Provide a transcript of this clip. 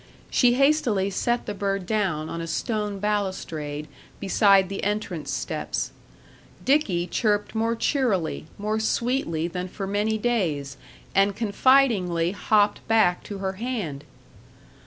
She hastily set the bird down on a stone balustrade beside the entrance steps. Dickie chirped more cheerily, more sweetly than for many days, and confidingly hopped back to her hand.